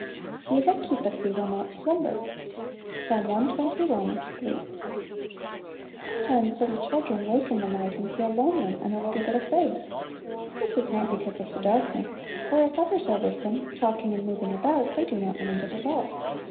"He that keepeth thee will not slumber." Ps. cxxi. 3. SOMETIMES little children wake in the night, and feel lonely, and a tittle bit afraid. This is not because of 20 Little Pillows. the darkness; for if others are with them, talking and moving about, they do not mind it at all.